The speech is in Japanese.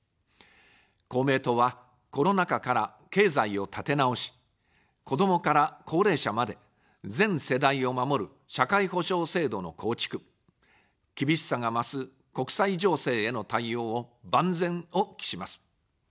公明党は、コロナ禍から、経済を立て直し、子どもから高齢者まで、全世代を守る社会保障制度の構築、厳しさが増す国際情勢への対応を、万全を期します。